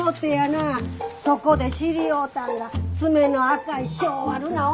そこで知り合うたんが爪の赤い性悪な女。